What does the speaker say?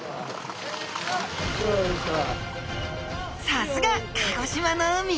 さすが鹿児島の海！